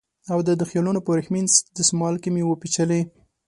او د خیالونو په وریښمین دسمال کې مې وپېچلې